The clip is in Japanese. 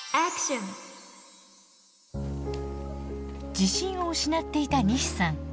自信を失っていた西さん。